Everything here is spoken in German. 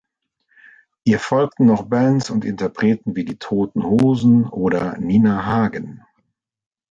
Ihr folgten noch Bands und Interpreten wie Die Toten Hosen oder Nina Hagen.